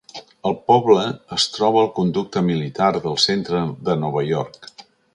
El poble es troba al conducte militar del centre de Nova York.